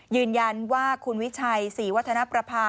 ยืนยันว่าคุณวิชัยศรีวัฒนประภา